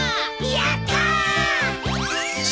やったー！